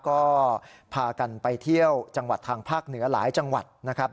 ก็พากันไปเที่ยวจังหวัดทางภาคเหนือหลายจังหวัดนะครับ